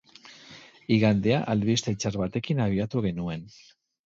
Igandea albiste txar batekin abiatu genuen.